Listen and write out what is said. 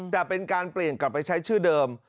แต่เป็นการเปลี่ยนกลับไปใช้ชื่อเดิม